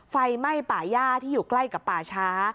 ไฟไหม้ป่าย่าที่อยู่ใกล้กับป่าช้า